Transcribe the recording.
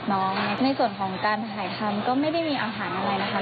ในส่วนของการถ่ายทำก็ไม่ได้มีอาหารอะไรนะคะ